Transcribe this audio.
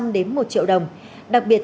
năm trăm linh đến một triệu đồng đặc biệt